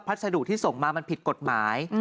สดุที่ส่งมามันผิดกฎหมาย